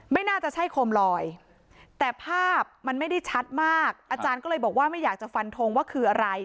ไม่น่าจะใช่โคมลอยแต่ภาพมันไม่ได้ชัดมากอาจารย์ก็เลยบอกว่าไม่อยากจะฟันทงว่าคืออะไร